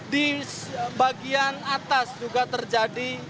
di bagian atas juga terjadi